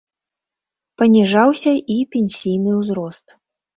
Паніжаўся і пенсійны ўзрост.